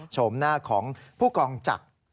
โฉมหน้าของผู้กองจักร